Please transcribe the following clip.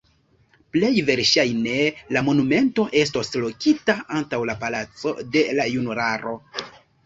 Plej verŝajne la monumento estos lokita antaŭ la Palaco de la Junularo.